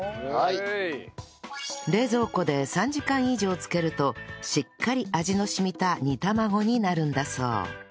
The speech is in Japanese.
冷蔵庫で３時間以上漬けるとしっかり味の染みた煮玉子になるんだそう